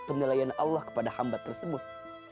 penilaian allah kepada hamba tersebut